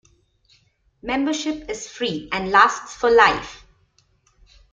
Membership is free and lasts for life.